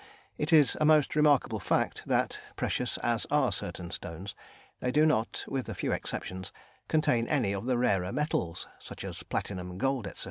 It is a most remarkable fact that, precious as are certain stones, they do not (with a few exceptions) contain any of the rarer metals, such as platinum, gold, etc.